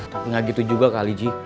tapi tidak begitu juga kak aliji